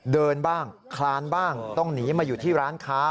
เดินบ้างคลานบ้างต้องหนีมาอยู่ที่ร้านค้า